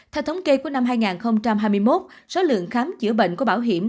theo thống kê của năm hai nghìn hai mươi một số lượng khám chữa bệnh của bảo hiểm